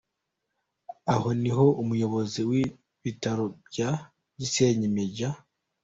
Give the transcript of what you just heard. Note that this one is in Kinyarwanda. Aho niho Umuyobozi w’Ibitaro bya Gisenyi, Maj.